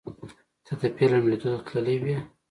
ته د فلم لیدو ته تللی وې؟